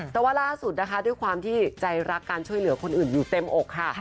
แต่ว่าล่าสุดนะคะด้วยความที่ใจรักการช่วยเหลือคนอื่นอยู่เต็มอกค่ะ